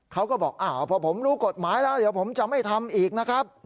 เขาก็บอกอ้าวพอผมรู้กฎหมายแล้วเดี๋ยวผมจะไม่ทำอีกนะครับ